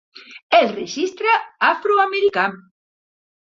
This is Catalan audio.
"El Registre Afroamericà".